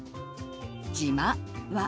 「じま」は。